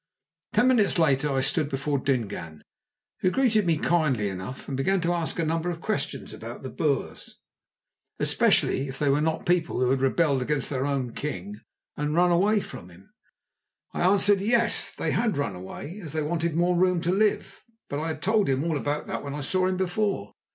Ten minutes later I stood before Dingaan, who greeted me kindly enough, and began to ask a number of questions about the Boers, especially if they were not people who had rebelled against their own king and run away from him. I answered, Yes, they had run away, as they wanted more room to live; but I had told him all about that when I saw him before.